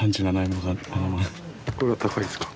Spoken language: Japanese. これは高いですか？